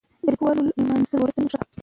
د لیکوالو لمانځل د ولس د مینې نښه ده.